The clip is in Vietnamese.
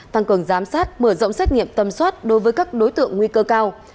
tăng cường giám sát mở rộng xét nghiệm tâm soát đối với các đối tượng nguy cơ cao